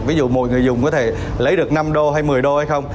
ví dụ mỗi người dùng có thể lấy được năm đô hay một mươi đô hay không